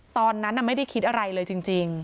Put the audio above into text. ตอนนั้นไม่ได้คิดอะไรเลยจริง